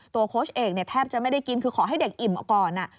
ตัวโค้ชเอกแทบจะไม่ได้กินคือขอให้เด็กอิ่มก่อน